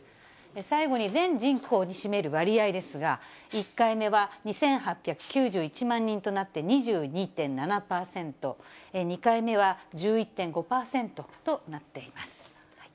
最後に、全人口に占める割合ですが、１回目は２８９１万人となって２２．７％、２回目は１１．５％となっています。